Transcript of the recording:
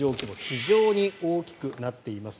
非常に大きくなっています。